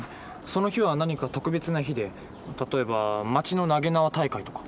その日は何か特別な日で例えば町の投げ縄大会とか。